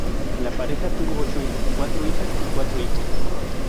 La pareja tuvo ocho hijos: cuatro hijas y cuatro hijos.